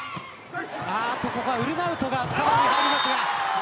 ウルナウトがカバーに入ります。